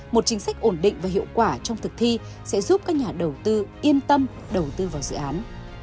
một chính sách ổn định và hiệu quả trong thực thi sẽ giúp các nhà đầu tư yên tâm đầu tư vào dự án